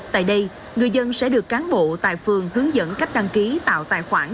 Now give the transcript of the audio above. tại đây người dân sẽ được cán bộ tại phường hướng dẫn cách đăng ký tạo tài khoản